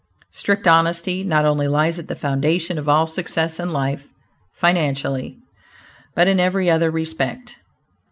Strict honesty, not only lies at the foundation of all success in life (financially), but in every other respect.